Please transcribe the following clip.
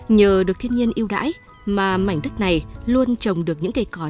nhờ được thiên nhiên yêu đãi mà mảnh đất này luôn trồng được những cây cõi